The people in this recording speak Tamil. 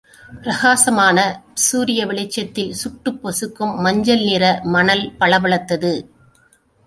பிரகாசமான சூரிய வெளிச்சத்தில், சுட்டுப் பொசுக்கும் மஞ்சள் நிற மணல் பளபளத்தது.